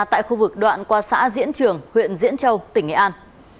tại khu vực đoạn qua xã diễn trường huyện diễn châu tỉnh nghệ an